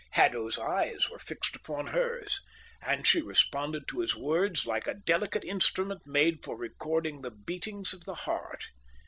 Haddo's eyes were fixed upon hers, and she responded to his words like a delicate instrument made for recording the beatings of the heart.